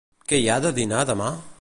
Què hi ha de dinar demà?